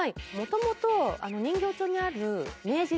もともと人形町にある。